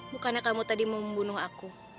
bukannya kamu tadi membunuh aku